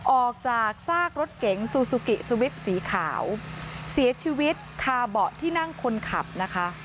จากซากรถเก๋งซูซูกิสวิปสีขาวเสียชีวิตคาเบาะที่นั่งคนขับนะคะ